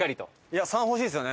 「３」欲しいですよね。